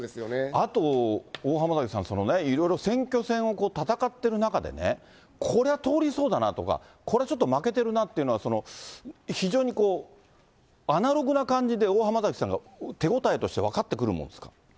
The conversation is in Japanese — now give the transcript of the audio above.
あと、大濱崎さん、いろいろ選挙戦を戦ってる中でね、これは通りそうだなとか、これはちょっと負けてるなとか、非常にアナログな感じで、大濱崎さんが手応えとして分かってくるものですか。